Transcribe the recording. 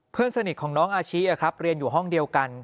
เพื่อนสนิทของน้องอาชิเรียนอยู่ห้องเดียวกัน